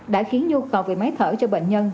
đã khiến nhu cầu về máy thở cho bệnh nhân